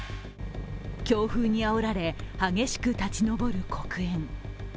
強風にあおられ激しく立ち上る黒煙。